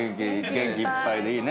元気いっぱいでいいね。